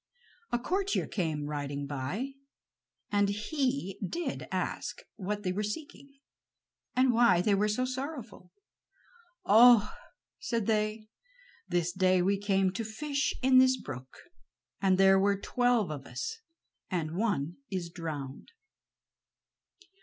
A courtier came riding by, and he did ask what they were seeking, and why they were so sorrowful. "Oh," said they, "this day we came to fish in this brook, and there were twelve of us, and one is drowned."